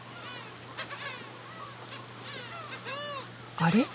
あれ？